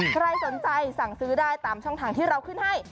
ใครสนใจสั่งซื้อได้ตามช่องทางที่เราขึ้นให้